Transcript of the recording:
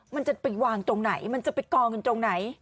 มันจะไปวางตรงไหนมันจะไปกองกันตรงไหน